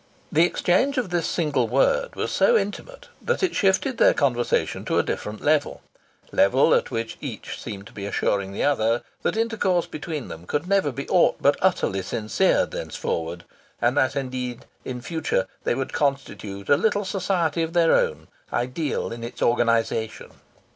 The exchange of this single word was so intimate that it shifted their conversation to a different level level at which each seemed to be assuring the other that intercourse between them could never be aught but utterly sincere thenceforward, and that indeed in future they would constitute a little society of their own, ideal in its organization.